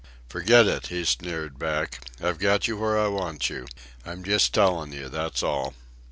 "Forget it," he sneered back. "I've got you where I want you. I'm just tellin' you, that's all."